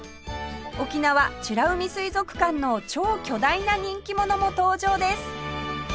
沖縄美ら海水族館の超巨大な人気者も登場です